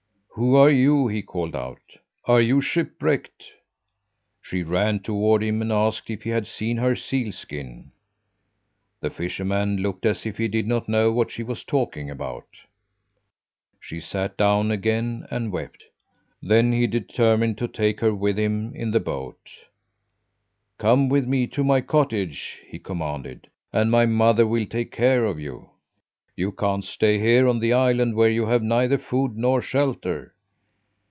"'Who are you?' he called out. 'Are you shipwrecked?' "She ran toward him and asked if he had seen her seal skin. The fisherman looked as if he did not know what she was talking about. She sat down again and wept. Then he determined to take her with him in the boat. 'Come with me to my cottage,' he commanded, 'and my mother will take care of you. You can't stay here on the island, where you have neither food nor shelter!'